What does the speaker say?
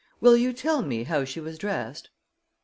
Will you tell me how she was dressed?"